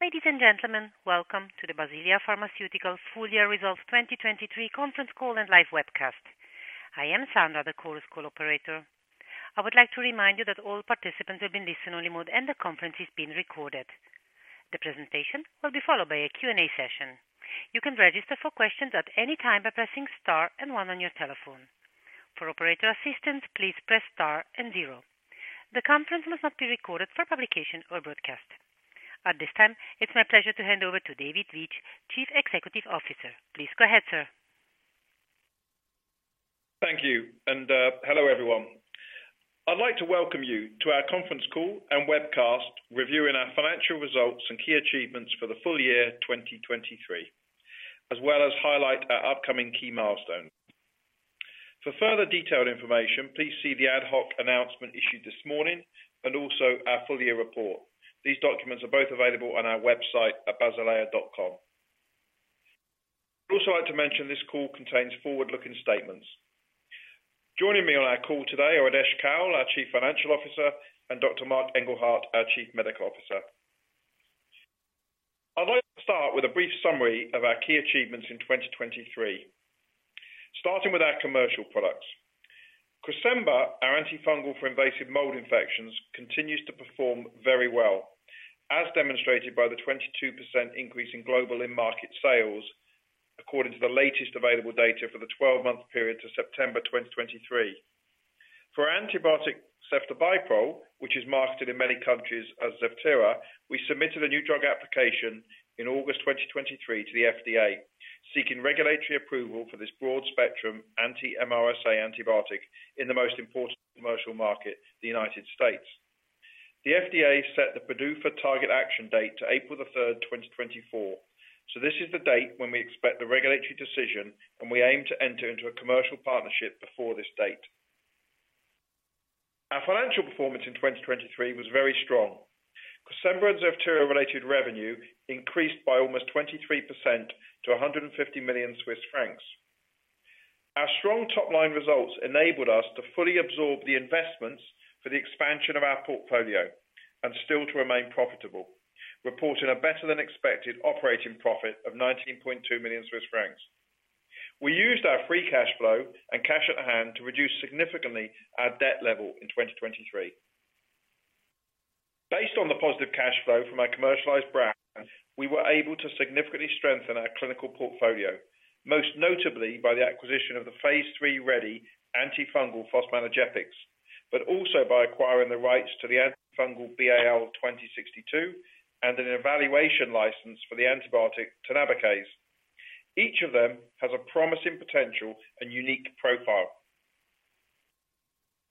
Ladies and gentlemen, welcome to the Basilea Pharmaceutica full-year results 2023 conference call and live webcast. I am Sandra, the call's operator. I would like to remind you that all participants have been placed in listen-only mode and the conference is being recorded. The presentation will be followed by a Q&A session. You can register for questions at any time by pressing star and one on your telephone. For operator assistance, please press star and zero. The conference must not be recorded for publication or broadcast. At this time, it's my pleasure to hand over to David Veitch, Chief Executive Officer. Please go ahead, sir. Thank you. Hello everyone. I'd like to welcome you to our conference call and webcast reviewing our financial results and key achievements for the full year 2023, as well as highlight our upcoming key milestones. For further detailed information, please see the ad hoc announcement issued this morning and also our full-year report. These documents are both available on our website at basilea.com. I'd also like to mention this call contains forward-looking statements. Joining me on our call today are Adesh Kaul, our Chief Financial Officer, and Dr. Marc Engelhardt, our Chief Medical Officer. I'd like to start with a brief summary of our key achievements in 2023, starting with our commercial products. Cresemba, our antifungal for invasive mold infections, continues to perform very well, as demonstrated by the 22% increase in global in-market sales according to the latest available data for the 12-month period to September 2023. For our antibiotic ceftobiprole, which is marketed in many countries as Zevtera, we submitted a new drug application in August 2023 to the FDA seeking regulatory approval for this broad-spectrum anti-MRSA antibiotic in the most important commercial market, the United States. The FDA set the PDUFA target action date to April the 3rd, 2024. So this is the date when we expect the regulatory decision, and we aim to enter into a commercial partnership before this date. Our financial performance in 2023 was very strong. Cresemba and Zevtera-related revenue increased by almost 23% to 150 million Swiss francs. Our strong top-line results enabled us to fully absorb the investments for the expansion of our portfolio and still to remain profitable, reporting a better-than-expected operating profit of 19.2 million Swiss francs. We used our free cash flow and cash at hand to reduce significantly our debt level in 2023. Based on the positive cash flow from our commercialized brand, we were able to significantly strengthen our clinical portfolio, most notably by the acquisition of the phase III ready antifungal fosmanogepix, but also by acquiring the rights to the antifungal BAL2062 and an evaluation license for the antibiotic tonabacase. Each of them has a promising potential and unique profile.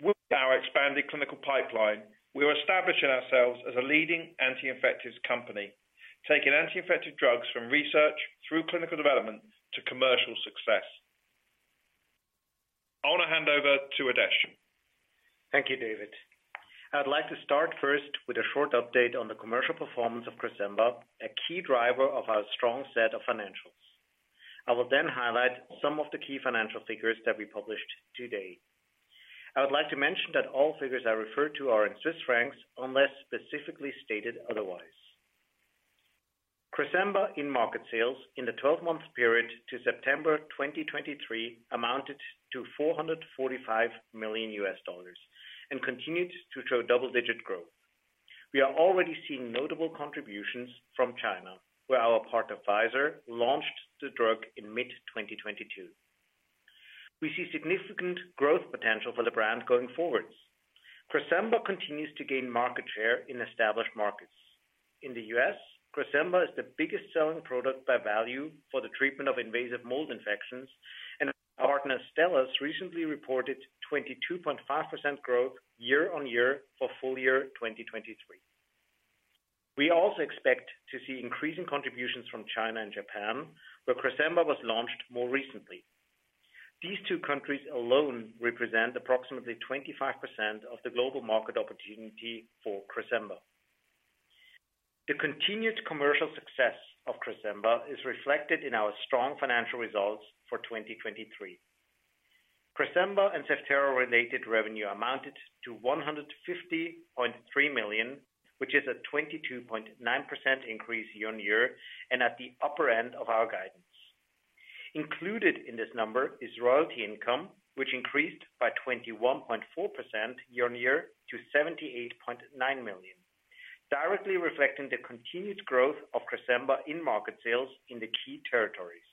With our expanded clinical pipeline, we are establishing ourselves as a leading anti-infectious company, taking anti-infectious drugs from research through clinical development to commercial success. I'll now hand over to Adesh. Thank you, David. I'd like to start first with a short update on the commercial performance of Cresemba, a key driver of our strong set of financials. I will then highlight some of the key financial figures that we published today. I would like to mention that all figures I refer to are in Swiss francs unless specifically stated otherwise. Cresemba in-market sales in the 12-month period to September 2023 amounted to $445 million and continued to show double-digit growth. We are already seeing notable contributions from China, where our partner Pfizer launched the drug in mid-2022. We see significant growth potential for the brand going forwards. Cresemba continues to gain market share in established markets. In the U.S., Cresemba is the biggest selling product by value for the treatment of invasive mold infections, and our partner Astellas recently reported 22.5% growth year-over-year for full year 2023. We also expect to see increasing contributions from China and Japan, where Cresemba was launched more recently. These two countries alone represent approximately 25% of the global market opportunity for Cresemba. The continued commercial success of Cresemba is reflected in our strong financial results for 2023. Cresemba and Zevtera-related revenue amounted to 150.3 million, which is a 22.9% increase year-over-year and at the upper end of our guidance. Included in this number is royalty income, which increased by 21.4% year-over-year to 78.9 million, directly reflecting the continued growth of Cresemba in-market sales in the key territories.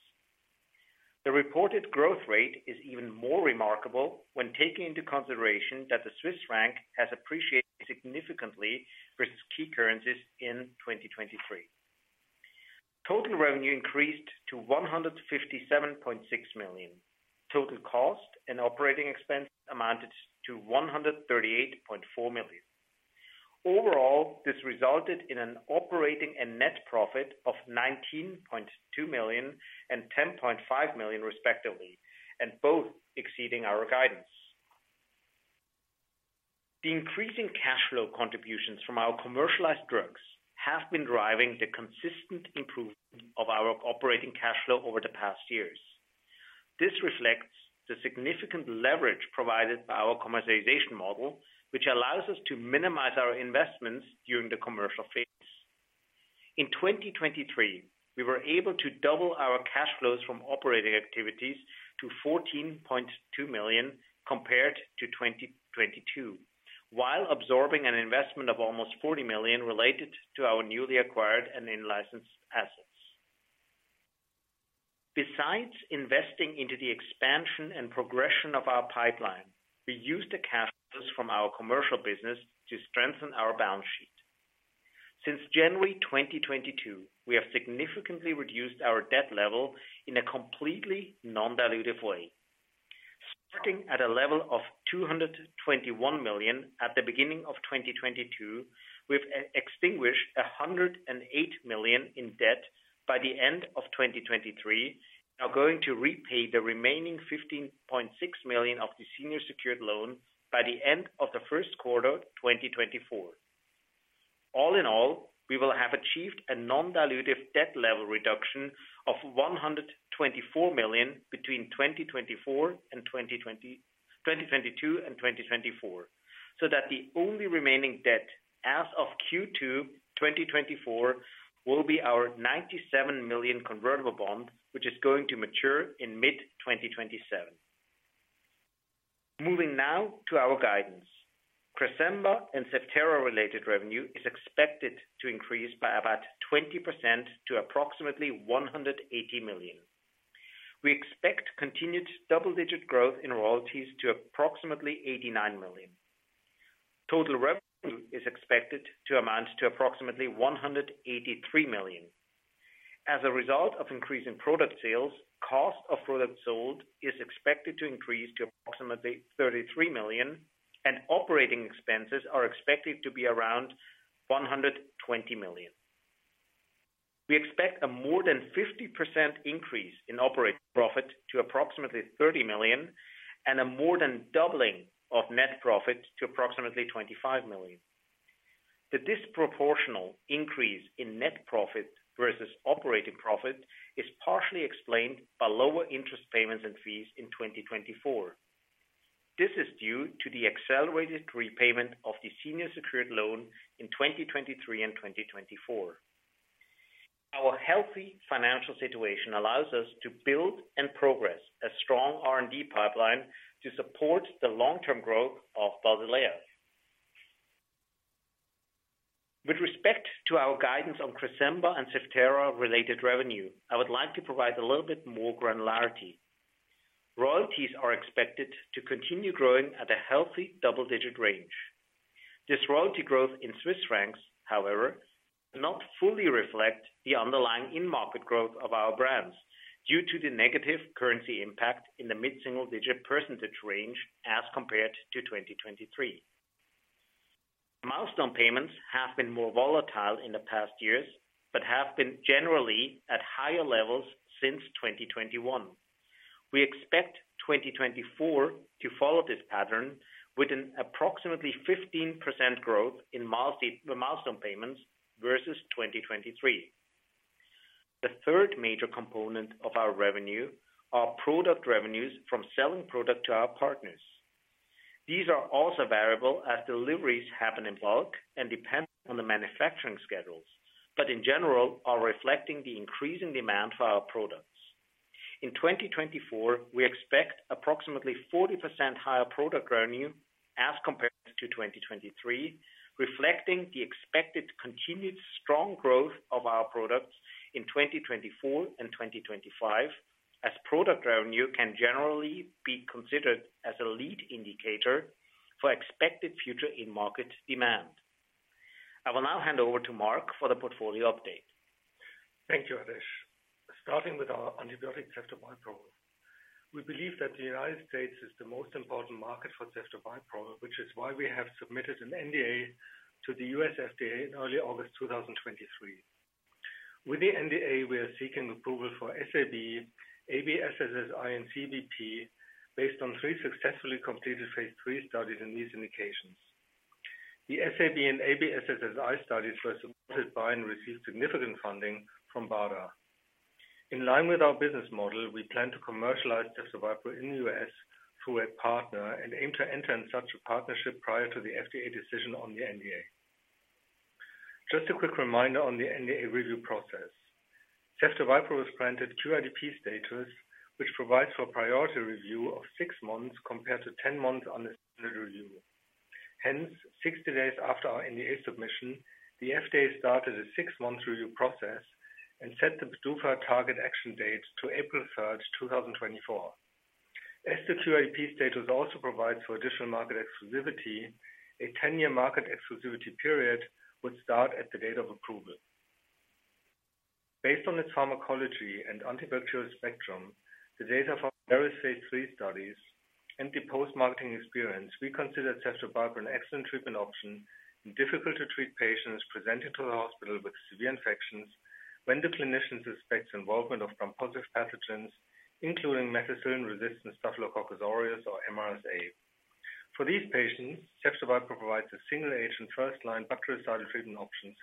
The reported growth rate is even more remarkable when taking into consideration that the Swiss franc has appreciated significantly versus key currencies in 2023. Total revenue increased to 157.6 million. Total cost and operating expense amounted to 138.4 million. Overall, this resulted in an operating and net profit of 19.2 million and 10.5 million, respectively, and both exceeding our guidance. The increasing cash flow contributions from our commercialized drugs have been driving the consistent improvement of our operating cash flow over the past years. This reflects the significant leverage provided by our commercialization model, which allows us to minimize our investments during the commercial phase. In 2023, we were able to double our cash flows from operating activities to 14.2 million compared to 2022, while absorbing an investment of almost 40 million related to our newly acquired and in-licensed assets. Besides investing into the expansion and progression of our pipeline, we used the cash flows from our commercial business to strengthen our balance sheet. Since January 2022, we have significantly reduced our debt level in a completely non-dilutive way. Starting at a level of 221 million at the beginning of 2022, we've extinguished 108 million in debt by the end of 2023, now going to repay the remaining 15.6 million of the senior secured loan by the end of the first quarter 2024. All in all, we will have achieved a non-dilutive debt level reduction of 124 million between 2024 and 2022 and 2024, so that the only remaining debt as of Q2 2024 will be our 97 million convertible bond, which is going to mature in mid-2027. Moving now to our guidance, Cresemba and Zevtera-related revenue is expected to increase by about 20% to approximately 180 million. We expect continued double-digit growth in royalties to approximately 89 million. Total revenue is expected to amount to approximately 183 million. As a result of increasing product sales, cost of product sold is expected to increase to approximately 33 million, and operating expenses are expected to be around 120 million. We expect a more than 50% increase in operating profit to approximately 30 million and a more than doubling of net profit to approximately 25 million. The disproportional increase in net profit versus operating profit is partially explained by lower interest payments and fees in 2024. This is due to the accelerated repayment of the senior secured loan in 2023 and 2024. Our healthy financial situation allows us to build and progress a strong R&D pipeline to support the long-term growth of Basilea. With respect to our guidance on Cresemba and Zevtera-related revenue, I would like to provide a little bit more granularity. Royalties are expected to continue growing at a healthy double-digit range. This royalty growth in Swiss francs, however, does not fully reflect the underlying in-market growth of our brands due to the negative currency impact in the mid-single-digit percentage range as compared to 2023. Milestone payments have been more volatile in the past years but have been generally at higher levels since 2021. We expect 2024 to follow this pattern with an approximately 15% growth in milestone payments versus 2023. The third major component of our revenue are product revenues from selling product to our partners. These are also variable as deliveries happen in bulk and depend on the manufacturing schedules, but in general are reflecting the increasing demand for our products. In 2024, we expect approximately 40% higher product revenue as compared to 2023, reflecting the expected continued strong growth of our products in 2024 and 2025, as product revenue can generally be considered as a lead indicator for expected future in-market demand. I will now hand over to Marc for the portfolio update. Thank you, Adesh. Starting with our antibiotic ceftobiprole, we believe that the United States is the most important market for ceftobiprole, which is why we have submitted an NDA to the U.S. FDA in early August 2023. With the NDA, we are seeking approval for SAB, ABSSSI, and CABP based on three successfully completed phase III studies in these indications. The SAB and ABSSSI studies were supported by and received significant funding from BARDA. In line with our business model, we plan to commercialize ceftobiprole in the U.S. through a partner and aim to enter into such a partnership prior to the FDA decision on the NDA. Just a quick reminder on the NDA review process. Ceftobiprole was granted QIDP status, which provides for a priority review of six months compared to 10 months under standard review. Hence, 60 days after our NDA submission, the FDA started a six-month review process and set the PDUFA target action date to April 3rd, 2024. As the QIDP status also provides for additional market exclusivity, a ten-year market exclusivity period would start at the date of approval. Based on its pharmacology and antibacterial spectrum, the data from various phase III studies, and the post-marketing experience, we consider ceftobiprole an excellent treatment option in difficult-to-treat patients presenting to the hospital with severe infections when the clinician suspects involvement of Gram-positive pathogens, including methicillin-resistant Staphylococcus aureus or MRSA. For these patients, ceftobiprole provides a single-agent first-line bactericidal treatment options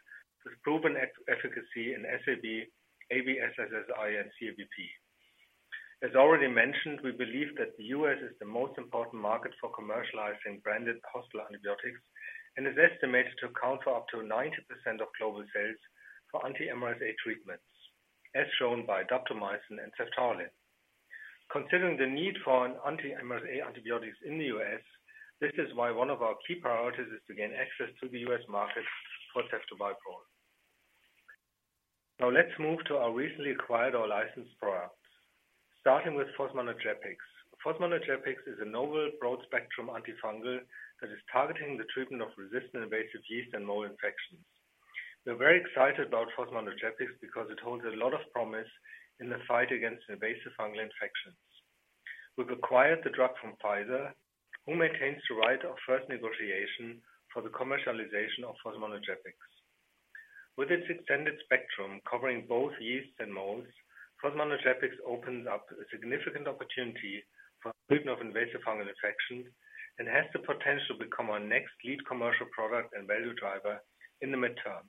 with proven efficacy in SAB, ABSSSI, and CABP. As already mentioned, we believe that the U.S. is the most important market for commercializing branded hostile antibiotics and is estimated to account for up to 90% of global sales for anti-MRSA treatments, as shown by daptomycin and ceftaroline. Considering the need for anti-MRSA antibiotics in the U.S., this is why one of our key priorities is to gain access to the U.S. market for ceftobiprole. Now let's move to our recently acquired or licensed products. Starting with fosmanogepix. Fosmanogepix is a novel broad-spectrum antifungal that is targeting the treatment of resistant invasive yeast and mold infections. We're very excited about fosmanogepix because it holds a lot of promise in the fight against invasive fungal infections. We've acquired the drug from Pfizer, who maintains the right of first negotiation for the commercialization of fosmanogepix. With its extended spectrum covering both yeast and molds, fosmanogepix opens up a significant opportunity for treatment of invasive fungal infections and has the potential to become our next lead commercial product and value driver in the midterm.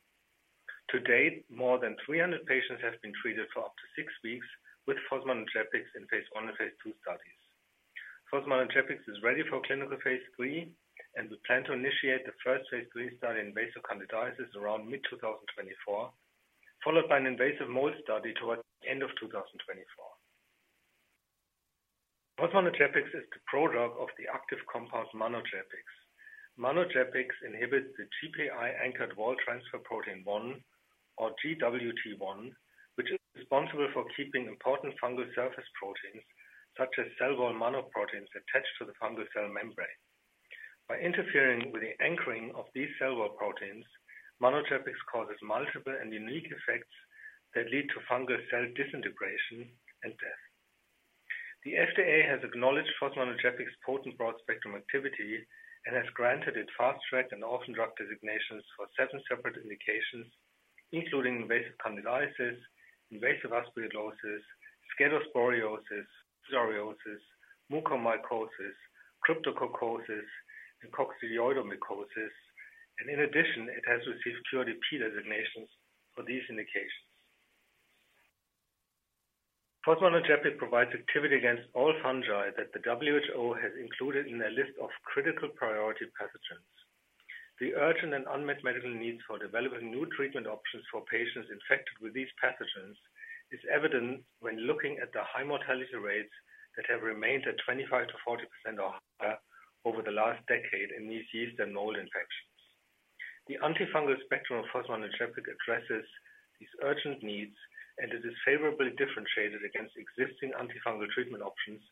To date, more than 300 patients have been treated for up to six weeks with fosmanogepix in phase I and phase II studies. Fosmanogepix is ready for clinical phase III, and we plan to initiate the first phase III study in invasive candidiasis around mid-2024, followed by an invasive mold study towards the end of 2024. Fosmanogepix is the product of the active compound manogepix. Manogepix inhibits the GPI-anchored wall transfer protein 1, or GWT1, which is responsible for keeping important fungal surface proteins such as cell wall mannoproteins attached to the fungal cell membrane. By interfering with the anchoring of these cell wall proteins, manogepix causes multiple and unique effects that lead to fungal cell disintegration and death. The FDA has acknowledged fosmanogepix's potent broad-spectrum activity and has granted it fast-track and orphan drug designations for seven separate indications, including invasive candidiasis, invasive osteomyelitis, scedosporiosis, mucormycosis, cryptococcosis, and coccidioidomycosis. In addition, it has received QIDP designations for these indications. Fosmanogepix provides activity against all fungi that the WHO has included in their list of critical priority pathogens. The urgent and unmet medical needs for developing new treatment options for patients infected with these pathogens are evident when looking at the high mortality rates that have remained at 25%-40% or higher over the last decade in these yeast and mold infections. The antifungal spectrum of fosmanogepix addresses these urgent needs, and it is favorably differentiated against existing antifungal treatment options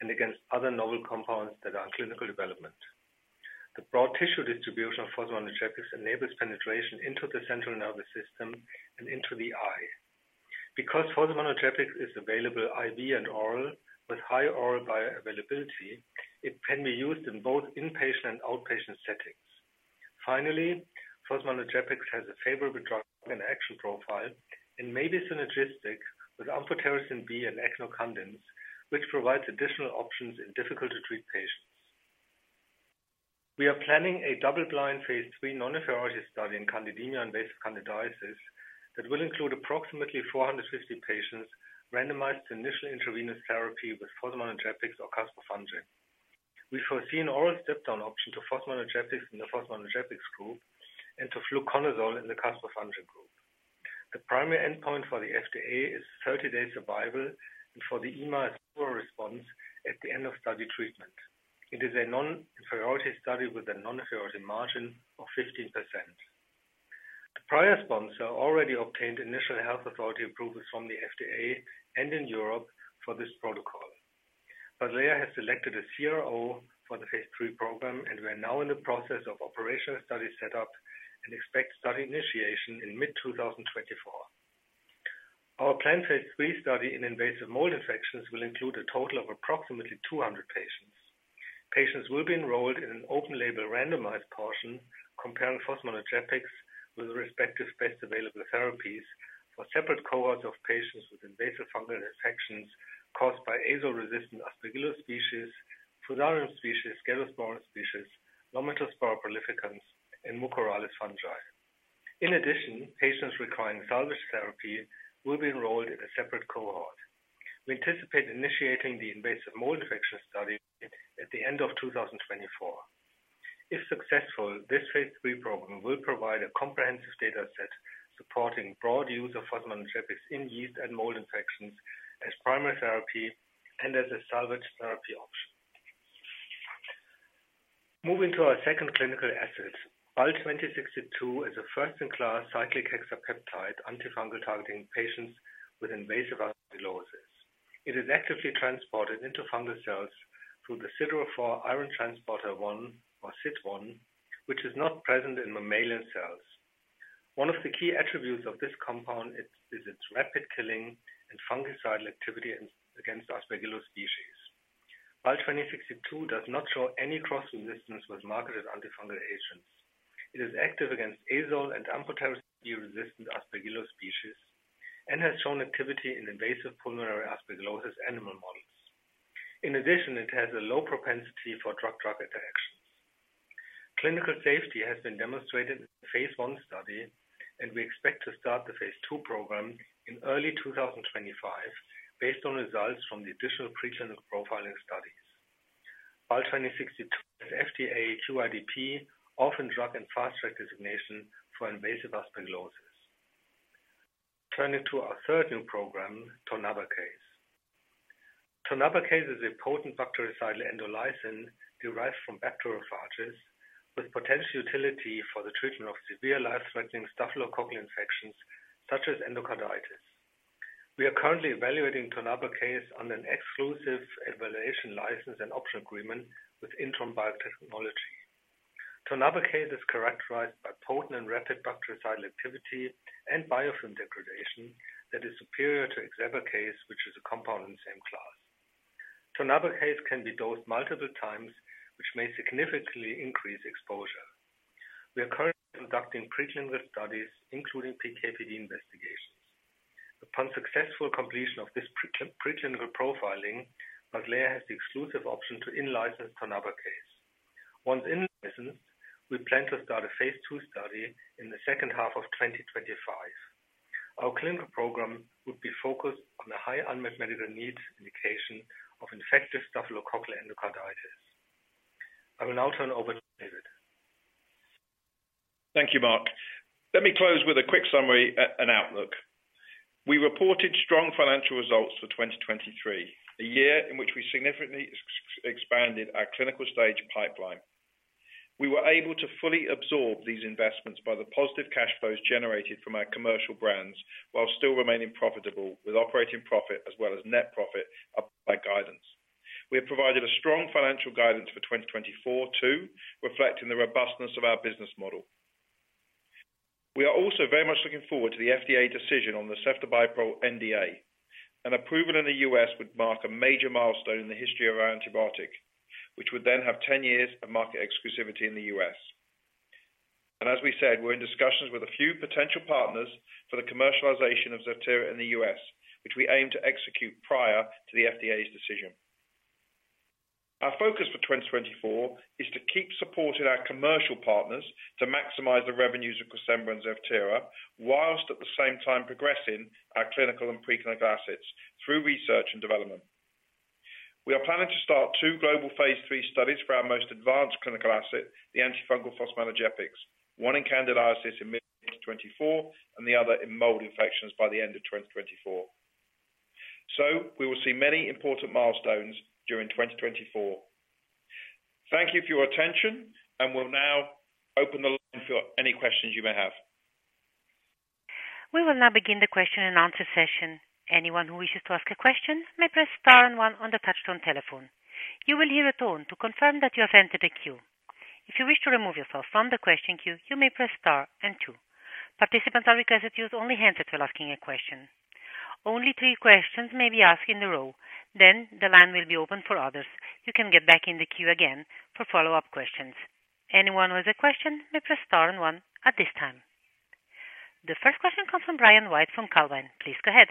and against other novel compounds that are in clinical development. The broad tissue distribution of fosmanogepix enables penetration into the central nervous system and into the eye. Because fosmanogepix is available IV and oral with high oral bioavailability, it can be used in both inpatient and outpatient settings. Finally, fosmanogepix has a favorable drug action profile and may be synergistic with amphotericin B and echinocandins, which provides additional options in difficult-to-treat patients. We are planning a double-blind phase III non-inferiority study in candidemia and invasive candidiasis that will include approximately 450 patients randomized to initial intravenous therapy with fosmanogepix or caspofungin. We foresee an oral step-down option to fosmanogepix in the fosmanogepix group and to fluconazole in the caspofungin group. The primary endpoint for the FDA is 30 days survival and for the EMA overall response at the end of study treatment. It is a non-inferiority study with a non-inferiority margin of 15%. The prior sponsor already obtained initial health authority approvals from the FDA and in Europe for this protocol. Basilea has selected a CRO for the phase III program, and we are now in the process of operational study setup and expect study initiation in mid-2024. Our planned phase III study in invasive mold infections will include a total of approximately 200 patients. Patients will be enrolled in an open-label randomized portion comparing fosmanogepix with respective best available therapies for separate cohorts of patients with invasive fungal infections caused by azole-resistant Aspergillus species, Fusarium species, Scedosporium species, Lomentospora prolificans, and Mucorales fungi. In addition, patients requiring salvage therapy will be enrolled in a separate cohort. We anticipate initiating the invasive mold infection study at the end of 2024. If successful, this phase III program will provide a comprehensive data set supporting broad use of Fosmanogepix in yeast and mold infections as primary therapy and as a salvage therapy option. Moving to our second clinical asset, BAL2062 is a first-in-class cyclic hexapeptide antifungal targeting patients with invasive aspergillosis. It is actively transported into fungal cells through the siderophore iron transporter 1, or Sit1, which is not present in mammalian cells. One of the key attributes of this compound is its rapid killing and fungicidal activity against Aspergillus species. BAL2062 does not show any cross-resistance with marketed antifungal agents. It is active against azole- and amphotericin B-resistant Aspergillus species and has shown activity in invasive pulmonary aspergillosis animal models. In addition, it has a low propensity for drug-drug interactions. Clinical safety has been demonstrated in the phase I study, and we expect to start the phase II program in early 2025 based on results from the additional preclinical profiling studies. BAL2062 has FDA QIDP orphan drug and fast-track designation for invasive aspergillosis. Turning to our third new program, tonabacase. Tonabacase is a potent bactericidal endolysin derived from bacteriophages with potential utility for the treatment of severe life-threatening staphylococcal infections such as endocarditis. We are currently evaluating tonabacase under an exclusive evaluation license and option agreement with iNtRON Biotechnology. Tonabacase is characterized by potent and rapid bactericidal activity and biofilm degradation that is superior to exebacase, which is a compound in the same class. Tonabacase can be dosed multiple times, which may significantly increase exposure. We are currently conducting preclinical studies, including PKPD investigations. Upon successful completion of this preclinical profiling, Basilea has the exclusive option to in-license tonabacase. Once in-licensed, we plan to start a phase II study in the second half of 2025. Our clinical program would be focused on a high unmet medical needs indication of infective staphylococcal endocarditis. I will now turn over to David. Thank you, Marc. Let me close with a quick summary and outlook. We reported strong financial results for 2023, a year in which we significantly expanded our clinical stage pipeline. We were able to fully absorb these investments by the positive cash flows generated from our commercial brands while still remaining profitable, with operating profit as well as net profit up by guidance. We have provided a strong financial guidance for 2024 too, reflecting the robustness of our business model. We are also very much looking forward to the FDA decision on the ceftobiprole NDA. An approval in the U.S. would mark a major milestone in the history of our antibiotic, which would then have ten years of market exclusivity in the U.S. As we said, we're in discussions with a few potential partners for the commercialization of Zevtera in the U.S., which we aim to execute prior to the FDA's decision. Our focus for 2024 is to keep supporting our commercial partners to maximize the revenues of Cresemba and Zevtera while at the same time progressing our clinical and preclinical assets through research and development. We are planning to start two global Phase III studies for our most advanced clinical asset, the antifungal fosmanogepix, one in candidiasis in mid-2024 and the other in mold infections by the end of 2024. We will see many important milestones during 2024. Thank you for your attention, and we'll now open the line for any questions you may have. We will now begin the question and answer session. Anyone who wishes to ask a question may press star and one on the touch-tone telephone. You will hear a tone to confirm that you have entered a queue. If you wish to remove yourself from the question queue, you may press star and two. Participants are requested to use only handsets if you're asking a question. Only three questions may be asked in a row. Then the line will be open for others. You can get back in the queue again for follow-up questions. Anyone who has a question may press star and one at this time. The first question comes from Brian White from Calvine. Please go ahead.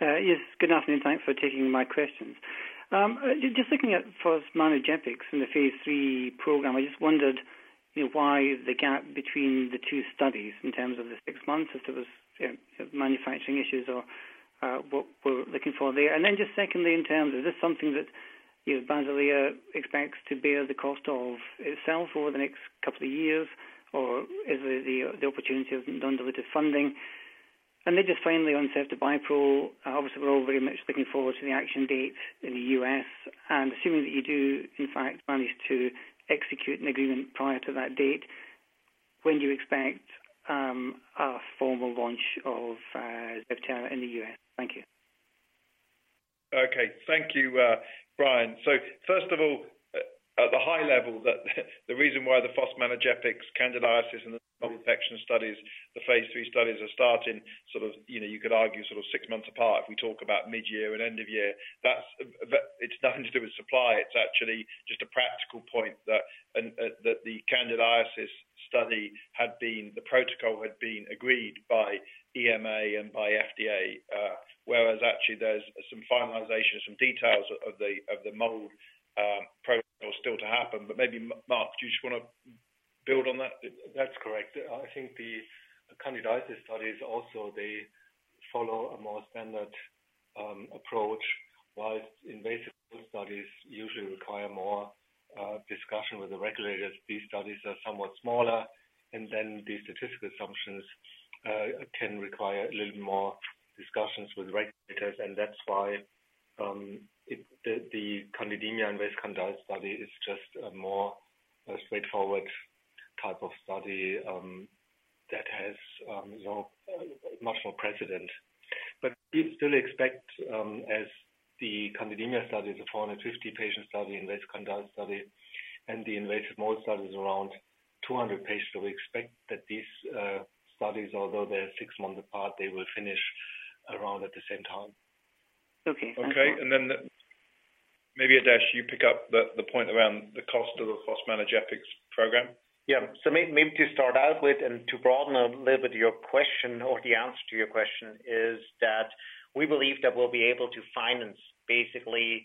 Yes. Good afternoon. Thanks for taking my questions. Just looking at fosmanogepix in the phase III program, I just wondered why the gap between the two studies in terms of the six months, if there were manufacturing issues or what we're looking for there. And then just secondly, in terms of is this something that Basilea expects to bear the cost of itself over the next couple of years, or is the opportunity of non-diluted funding? And then just finally on ceftobiprole, obviously, we're all very much looking forward to the action date in the U.S. And assuming that you do, in fact, manage to execute an agreement prior to that date, when do you expect a formal launch of Zevtera in the U.S.? Thank you. Okay. Thank you, Brian. So first of all, at the high level, the reason why the fosmanogepix, candidiasis, and the mold infection studies, the phase III studies are starting sort of you could argue sort of six months apart if we talk about mid-year and end of year, it's nothing to do with supply. It's actually just a practical point that the candidiasis study, the protocol had been agreed by EMA and by FDA, whereas actually there's some finalization of some details of the mold protocol still to happen. But maybe, Marc, do you just want to build on that? That's correct. I think the candidiasis studies, also, they follow a more standard approach while invasive mold studies usually require more discussion with the regulators. These studies are somewhat smaller, and then these statistical assumptions can require a little bit more discussions with regulators. And that's why the candidemia invasive candidiasis study is just a more straightforward type of study that has much more precedent. But we still expect, as the candidemia study is a 450-patient study, invasive candidiasis study, and the invasive mold study is around 200 patients, that we expect that these studies, although they're six months apart, they will finish around at the same time. Okay. Thank you. Okay. And then maybe Adesh, you pick up the point around the cost of the fosmanogepix program? Yeah. So maybe to start out with and to broaden a little bit your question or the answer to your question is that we believe that we'll be able to finance, basically,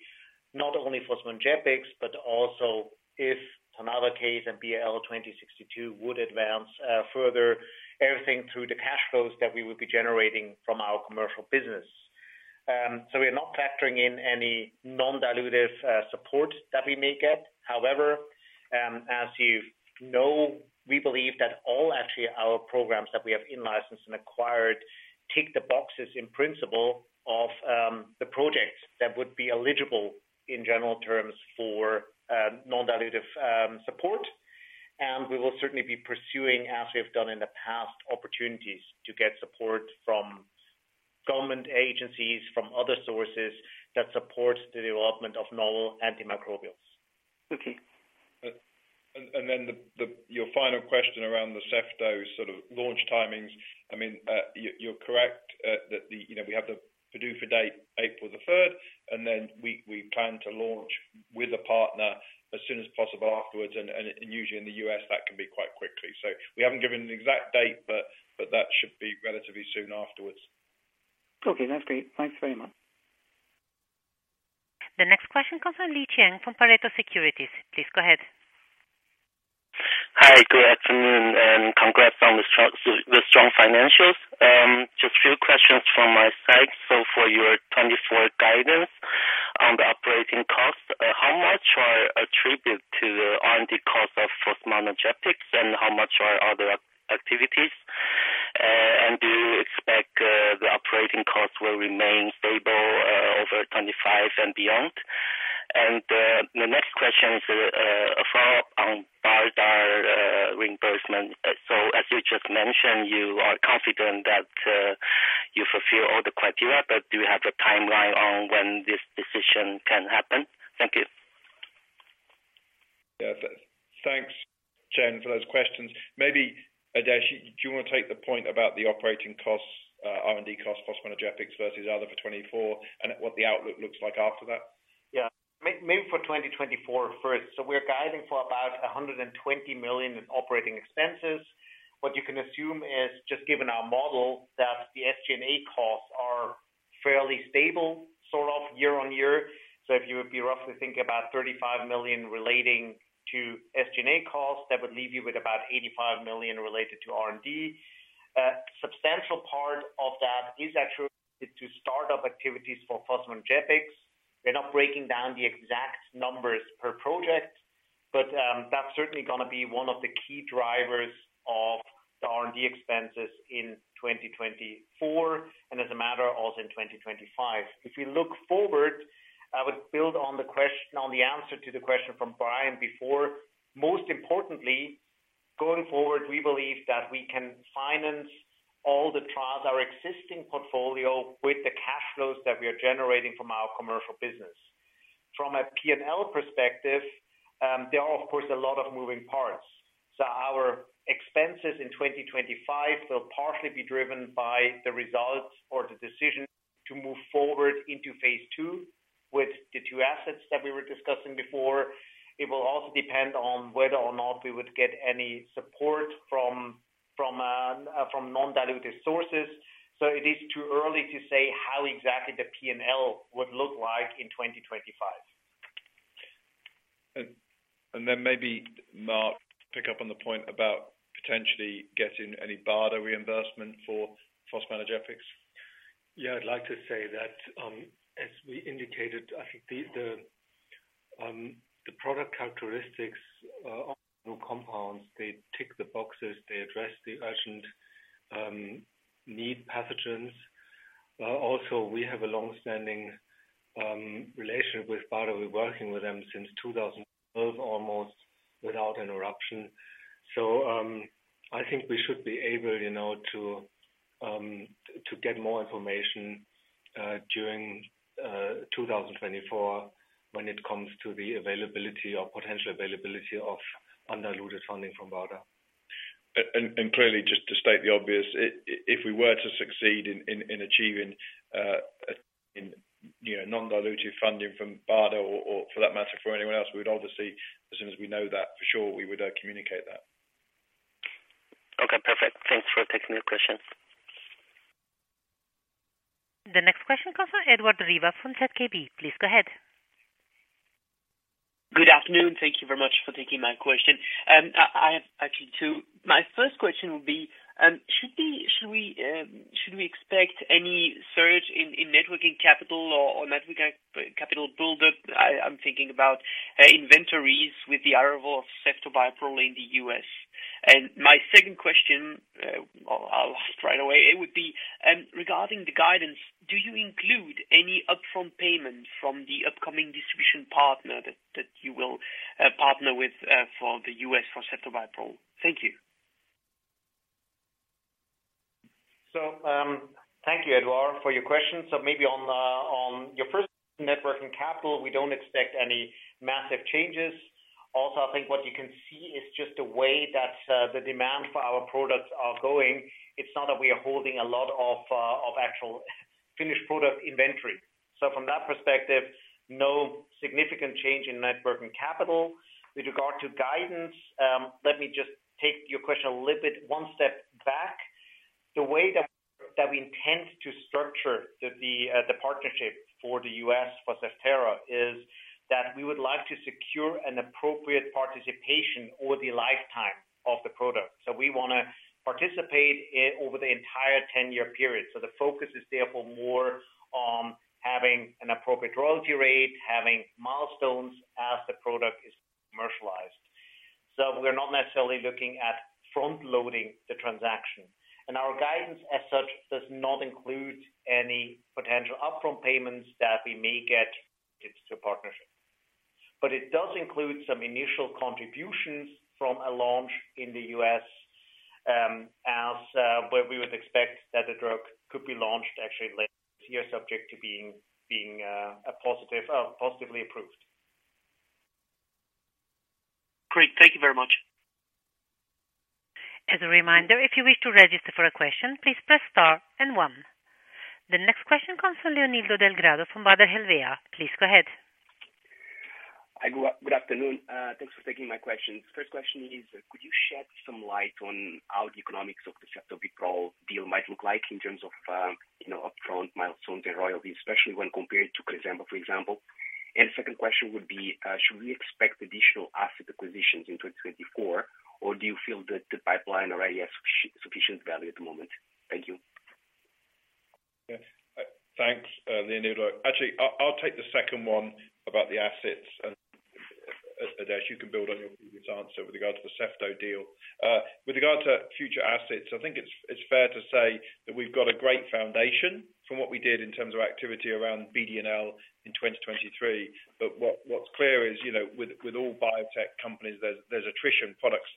not only fosmanogepix but also if tonabacase and BAL2062 would advance further everything through the cash flows that we would be generating from our commercial business. So we are not factoring in any non-dilutive support that we may get. However, as you know, we believe that all, actually, our programs that we have in-licensed and acquired tick the boxes in principle of the projects that would be eligible, in general terms, for non-dilutive support. And we will certainly be pursuing, as we have done in the past, opportunities to get support from government agencies, from other sources that support the development of novel antimicrobials. Okay. Then your final question around the ceftobiprole sort of launch timings. I mean, you're correct that we have the PDUFA date, April the 3rd, and then we plan to launch with a partner as soon as possible afterwards. Usually, in the U.S., that can be quite quickly. So we haven't given an exact date, but that should be relatively soon afterwards. Okay. That's great. Thanks very much. The next question comes from Chien-Hsun Lee from Pareto Securities. Please go ahead. Hi. Good afternoon and congrats on the strong financials. Just a few questions from my side. So for your 2024 guidance on the operating costs, how much are attributed to the R&D costs of fosmanogepix, and how much are other activities? And do you expect the operating costs will remain stable over 2025 and beyond? And the next question is a follow-up on BARDA reimbursement. So as you just mentioned, you are confident that you fulfill all the criteria, but do you have a timeline on when this decision can happen? Thank you. Yeah. Thanks, Chien, for those questions. Maybe, Adesh, do you want to take the point about the operating costs, R&D costs, Fosmanogepix versus other for 2024, and what the outlook looks like after that? Yeah. Maybe for 2024 first. So we're guiding for about 120 million in operating expenses. What you can assume is, just given our model, that the SG&A costs are fairly stable sort of year-on-year. So if you would be roughly thinking about 35 million relating to SG&A costs, that would leave you with about 85 million related to R&D. A substantial part of that is attributed to startup activities for fosmanogepix. We're not breaking down the exact numbers per project, but that's certainly going to be one of the key drivers of the R&D expenses in 2024 and, as a matter, also in 2025. If we look forward, I would build on the answer to the question from Brian before. Most importantly, going forward, we believe that we can finance all the trials, our existing portfolio, with the cash flows that we are generating from our commercial business. From a P&L perspective, there are, of course, a lot of moving parts. So our expenses in 2025 will partially be driven by the results or the decision to move forward into phase II with the two assets that we were discussing before. It will also depend on whether or not we would get any support from non-dilutive sources. So it is too early to say how exactly the P&L would look like in 2025. And then maybe, Marc, pick up on the point about potentially getting any BARDA reimbursement for fosmanogepix. Yeah. I'd like to say that, as we indicated, I think the product characteristics of new compounds, they tick the boxes. They address the urgent need pathogens. Also, we have a longstanding relationship with BARDA. We're working with them since 2012 almost without interruption. So I think we should be able to get more information during 2024 when it comes to the availability or potential availability of non-dilutive funding from BARDA. Clearly, just to state the obvious, if we were to succeed in achieving non-dilutive funding from BARDA or, for that matter, for anyone else, we would obviously, as soon as we know that for sure, we would communicate that. Okay. Perfect. Thanks for taking the question. The next question comes from Edouard Riva from ZKB. Please go ahead. Good afternoon. Thank you very much for taking my question. I have actually two. My first question would be, should we expect any surge in net working capital or net working capital buildup? I'm thinking about inventories with the arrival of ceftobiprole in the U.S. My second question, I'll ask right away, it would be, regarding the guidance, do you include any upfront payment from the upcoming distribution partner that you will partner with for the U.S. for ceftobiprole? Thank you. Thank you, Edouard, for your question. Maybe on your first question, net working capital, we don't expect any massive changes. Also, I think what you can see is just the way that the demand for our products are going. It's not that we are holding a lot of actual finished product inventory. So from that perspective, no significant change in net working capital. With regard to guidance, let me just take your question a little bit one step back. The way that we intend to structure the partnership for the US for Zevtera is that we would like to secure an appropriate participation over the lifetime of the product. So we want to participate over the entire 10-year period. So the focus is therefore more on having an appropriate royalty rate, having milestones as the product is commercialized. So we're not necessarily looking at front-loading the transaction. Our guidance, as such, does not include any potential upfront payments that we may get related to a partnership. It does include some initial contributions from a launch in the U.S. where we would expect that the drug could be launched actually later this year, subject to being positively approved. Great. Thank you very much. As a reminder, if you wish to register for a question, please press star and one. The next question comes from Leonildo Delgado from Baader Helvea. Please go ahead. Good afternoon. Thanks for taking my questions. First question is, could you shed some light on how the economics of the ceftobiprole deal might look like in terms of upfront milestones and royalties, especially when compared to Cresemba, for example? And the second question would be, should we expect additional asset acquisitions in 2024, or do you feel that the pipeline already has sufficient value at the moment? Thank you. Yeah. Thanks, Leonildo. Actually, I'll take the second one about the assets. And Adesh, you can build on your previous answer with regard to the ceftobiprole deal. With regard to future assets, I think it's fair to say that we've got a great foundation from what we did in terms of activity around BSLN in 2023. But what's clear is, with all biotech companies, there's attrition. Products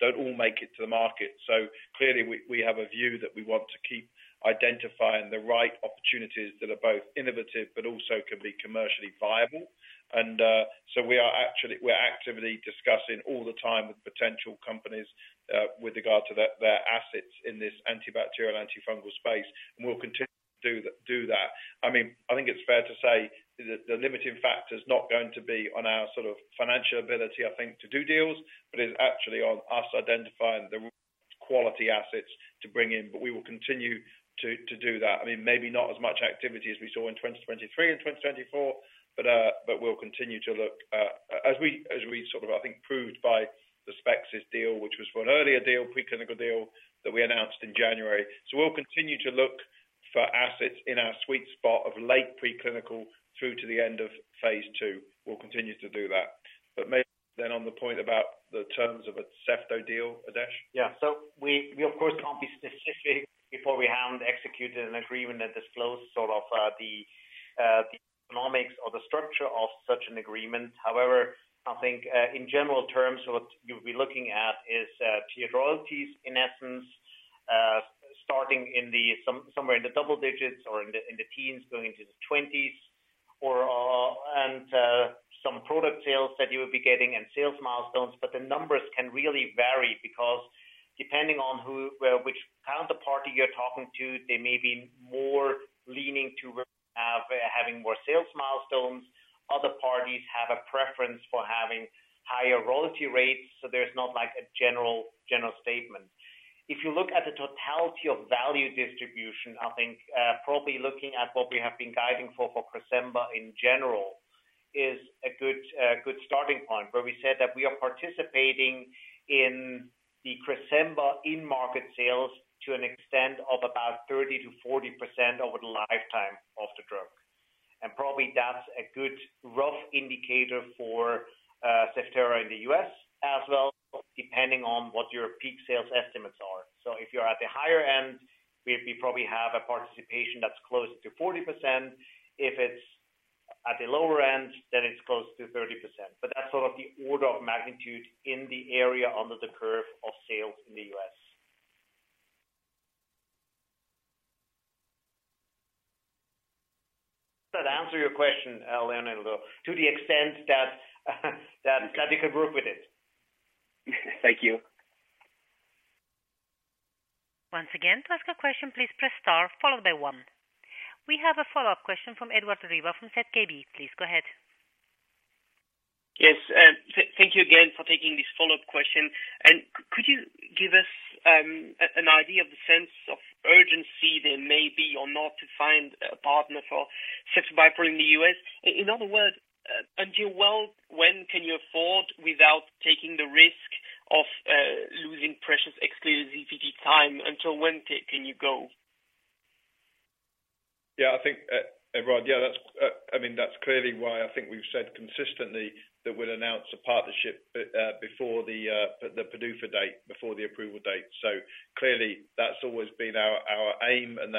don't all make it to the market. So clearly, we have a view that we want to keep identifying the right opportunities that are both innovative but also can be commercially viable. And so we're actively discussing all the time with potential companies with regard to their assets in this antibacterial and antifungal space, and we'll continue to do that. I mean, I think it's fair to say the limiting factor's not going to be on our sort of financial ability, I think, to do deals, but it's actually on us identifying the quality assets to bring in. But we will continue to do that. I mean, maybe not as much activity as we saw in 2023 and 2024, but we'll continue to look as we sort of, I think, proved by the Spexis deal, which was for an earlier deal, preclinical deal, that we announced in January. So we'll continue to look for assets in our sweet spot of late preclinical through to the end of phase II. We'll continue to do that. But maybe then on the point about the terms of a ceftobiprole deal, Adesh? Yeah. So we, of course, can't be specific before we have executed an agreement that discloses sort of the economics or the structure of such an agreement. However, I think, in general terms, what you'll be looking at is tiered royalties, in essence, starting somewhere in the double digits or in the teens, going into the 20s, and some product sales that you would be getting and sales milestones. But the numbers can really vary because, depending on which counterparty you're talking to, they may be more leaning towards having more sales milestones. Other parties have a preference for having higher royalty rates, so there's not a general statement. If you look at the totality of value distribution, I think probably looking at what we have been guiding for for Cresemba in general is a good starting point where we said that we are participating in the Cresemba in-market sales to an extent of about 30%-40% over the lifetime of the drug. And probably that's a good rough indicator for Zevtera in the U.S. as well, depending on what your peak sales estimates are. So if you're at the higher end, we probably have a participation that's closer to 40%. If it's at the lower end, then it's close to 30%. But that's sort of the order of magnitude in the area under the curve of sales in the U.S. Does that answer your question, Leonildo, to the extent that you could work with it? Thank you. Once again, to ask a question, please press star followed by one. We have a follow-up question from Edouard Riva from ZKB. Please go ahead. Yes. Thank you again for taking this follow-up question. And could you give us an idea of the sense of urgency there may be or not to find a partner for ceftobiprole in the U.S.? In other words, until when can you afford without taking the risk of losing precious, exclusive QIDP time? Until when can you go? Yeah. I think, Edouard, yeah, I mean, that's clearly why I think we've said consistently that we'll announce a partnership before the PDUFA date, before the approval date. So clearly, that's always been our aim, and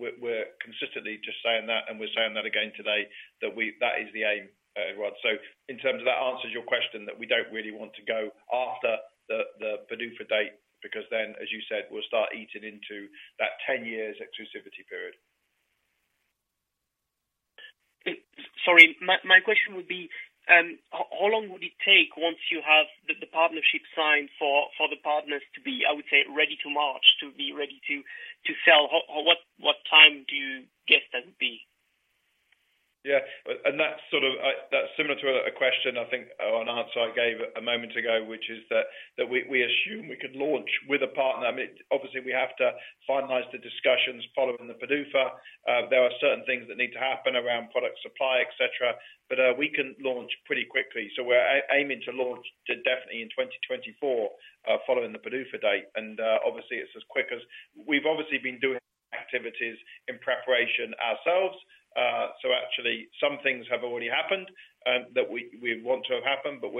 we're consistently just saying that, and we're saying that again today, that is the aim, Edouard. So in terms of that answers your question that we don't really want to go after the PDUFA date because then, as you said, we'll start eating into that 10-year exclusivity period. Sorry. My question would be, how long would it take once you have the partnership signed for the partners to be, I would say, ready to march, to be ready to sell? What time do you guess that would be? Yeah. And that's similar to a question, I think, or an answer I gave a moment ago, which is that we assume we could launch with a partner. I mean, obviously, we have to finalize the discussions following the PDUFA. There are certain things that need to happen around product supply, etc., but we can launch pretty quickly. So we're aiming to launch definitely in 2024 following the PDUFA date. And obviously, it's as quick as we've obviously been doing activities in preparation ourselves. So actually, some things have already happened that we want to have happened, but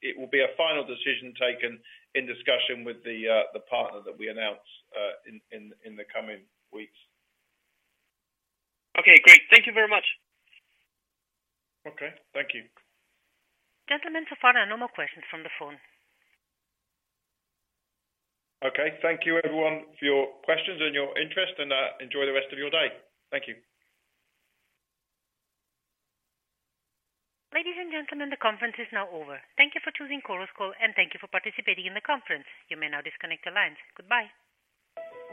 it will be a final decision taken in discussion with the partner that we announce in the coming weeks. Okay. Great. Thank you very much. Okay. Thank you. Gentlemen, so far, no more questions from the phone. Okay. Thank you, everyone, for your questions and your interest, and enjoy the rest of your day. Thank you. Ladies and gentlemen, the conference is now over. Thank you for choosing Chorus Call, and thank you for participating in the conference. You may now disconnect the lines. Goodbye.